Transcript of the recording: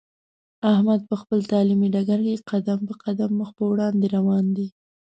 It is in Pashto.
احمد په خپل تعلیمي ډګر کې قدم په قدم مخ په وړاندې روان دی.